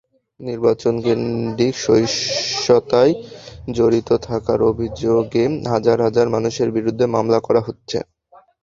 নির্বাচনকেন্দ্রিক সহিংসতায় জড়িত থাকার অভিযোগে হাজার হাজার মানুষের বিরুদ্ধে মামলা করা হচ্ছে।